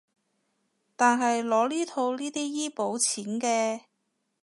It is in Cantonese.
佢係攞嚟套呢啲醫保錢嘅